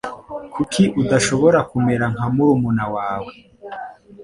Kuki udashobora kumera nka murumuna wawe?